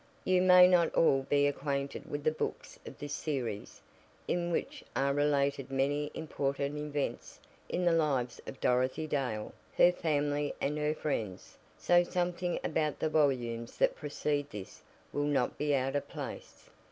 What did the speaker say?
You may not all be acquainted with the books of this series, in which are related many important events in the lives of Dorothy Dale, her family and her friends, so something about the volumes that precede this will not be out of place.